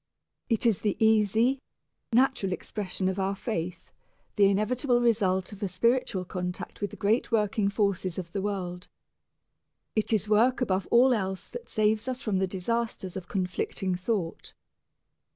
It is the easy, natural expression of our faith, the inevitable result of a spiritual contact with the great working forces of the world. It is work above all else that saves us from the disasters of conflicting thought.